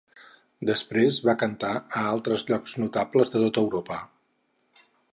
Després va cantar a altres llocs notables de tot Europa.